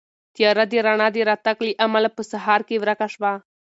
تیاره د رڼا د راتګ له امله په سهار کې ورکه شوه.